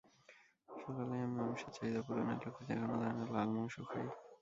সকালেই আমি আমিষের চাহিদা পূরণের লক্ষ্যে যেকোনো ধরনের লাল মাংস খাই।